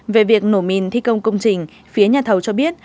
về việc nổ mìn thi công công trình phía nhà thầu cho biết